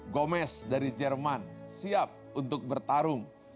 gomez dari jerman siap untuk bertarung